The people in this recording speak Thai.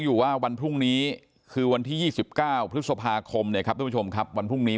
อยู่ว่าวันพรุ่งนี้คือวันที่๒๙พฤษภาคมนะครับวันพรุ่งนี้